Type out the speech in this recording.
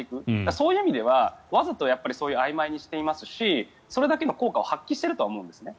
そういう意味ではわざとあいまいにしていますしそれだけの効果を発揮しているとは思うんですね。